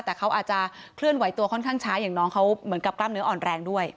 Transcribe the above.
แต่เขาอาจจะเคลื่อนไหวตัวค่อนข้างช้าอย่างน้องเขาเหมือนกับกล้ามเนื้ออ่อนแรงด้วย